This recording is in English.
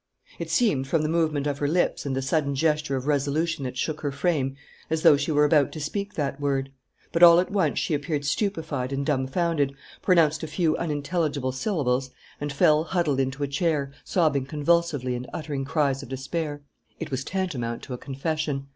It seemed, from the movement of her lips and the sudden gesture of resolution that shook her frame, as though she were about to speak that word. But all at once she appeared stupefied and dumfounded, pronounced a few unintelligible syllables, and fell huddled into a chair, sobbing convulsively and uttering cries of despair. It was tantamount to a confession.